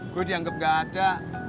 gue dianggep gak ada